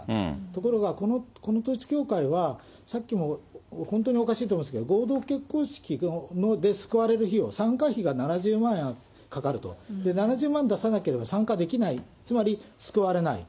ところがこの統一教会は、さっきも、本当におかしいと思いますけれども、合同結婚式で救われる費用、参加費が７０万円かかると、７０万出さなければ参加できない、つまり救われない。